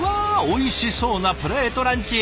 おいしそうなプレートランチ。